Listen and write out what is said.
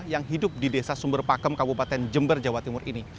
yang hidup di desa sumber pakem kabupaten jember jawa timur ini